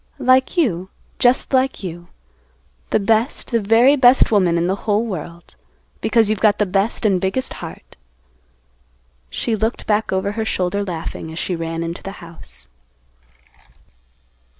"Like you, just like you; the best, the very best woman in the whole world, because you've got the best and biggest heart." She looked back over her shoulder laughing, as she ran into the house.